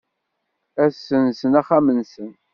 Ad ssenzen axxam-nsen.